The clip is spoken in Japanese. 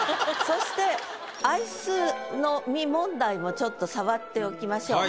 そして「アイスの実」問題もちょっと触っておきましょう。